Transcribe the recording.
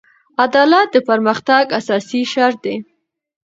عدالت د پرمختګ اساسي شرط دی.